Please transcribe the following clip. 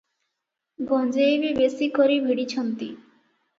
ଗଞ୍ଜେଇ ବି ବେଶି କରି ଭିଡ଼ିଛନ୍ତି ।